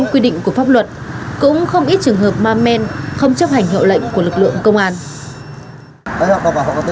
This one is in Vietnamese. mũ độc của anh đâu